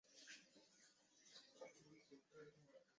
将必俟亡羊而始补牢乎！